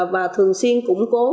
và thường xuyên củng cố